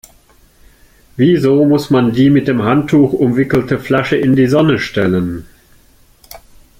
Wieso muss man die mit dem Handtuch umwickelte Flasche in die Sonne stellen?